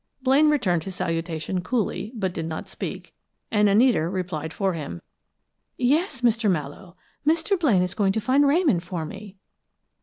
Blaine returned his salutation coolly, but did not speak, and Anita replied for him. "Yes, Mr. Mallowe, Mr. Blaine is going to find Ramon for me!"